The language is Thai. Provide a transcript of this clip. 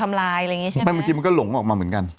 คำลายอะไรอย่างนี้ใช่ไหมที่มันก็หลงออกมาเหมือนกัน